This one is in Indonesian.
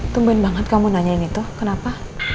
tumpuin banget kamu nanya gitu kenapa